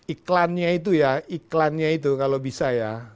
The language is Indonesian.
iklannya itu ya iklannya itu kalau bisa ya